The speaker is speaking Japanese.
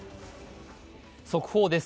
速報です。